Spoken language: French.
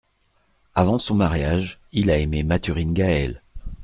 Avant son mariage, il a aimé Mathurine Gaël.